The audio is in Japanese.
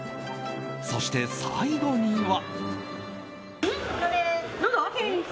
そして、最後には。